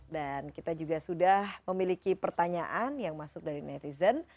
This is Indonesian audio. dan kita juga sudah memiliki pertanyaan yang masuk dari netizen